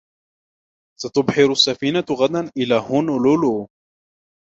ستبحر السفينة غدا إلى هونولولو.